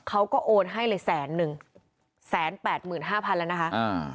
โอนให้เลยแสนหนึ่งแสนแปดหมื่นห้าพันแล้วนะคะอ่า